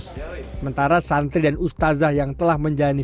sementara santri dan ustazah yang telah menjalani